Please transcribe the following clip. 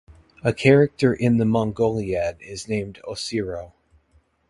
A character in The Mongoliad is named Ocyrhoe.